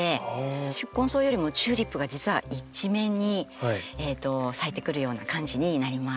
宿根草よりもチューリップが実は一面に咲いてくるような感じになります。